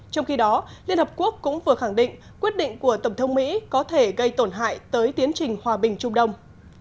trong khi đó liên hợp quốc cũng vừa khẳng định quyết định của tổng thống mỹ có thể gây tổn hại tới tiến trình hòa bình trung đông